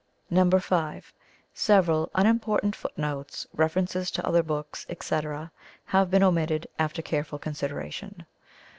(5) Several unimportant footnotes, references to other books, etc., have been omitted after careful consideration.